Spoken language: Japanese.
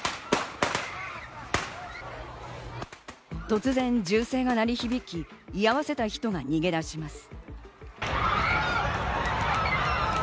突然、銃声が鳴り響き、居合わせた人が逃げ出します。